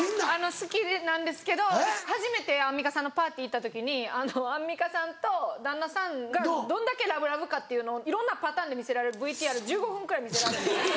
好きなんですけど初めてアンミカさんのパーティー行った時にアンミカさんと旦那さんがどんだけラブラブかというのをいろんなパターンで見せられるＶＴＲ１５分くらい見せられて。